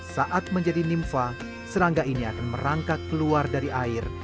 saat menjadi nimfa serangga ini akan merangkak keluar dari air